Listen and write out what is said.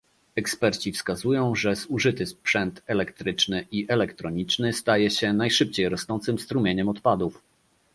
Eksperci wskazują, że zużyty sprzęt elektryczny i elektroniczny staje się najszybciej rosnącym strumieniem odpadów